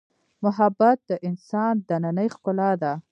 محبت د انسان دنننۍ ښکلا ده.